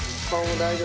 大丈夫？